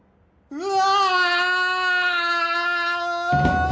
うわ